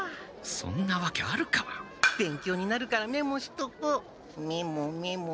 そんなわけあるか勉強になるからメモしとこうメモメモ。